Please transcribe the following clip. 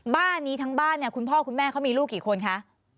บ้านนี้ทั้งบ้านเนี่ยคุณพ่อคุณแม่เขามีลูกกี่คนคะ